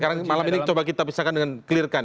sekarang malam ini coba kita pisahkan dengan clear kan